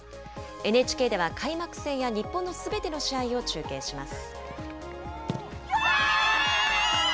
ＮＨＫでは開幕戦や日本のすべての試合を中継します。